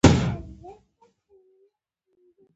دا لید د ستونزې حل ناممکن کوي.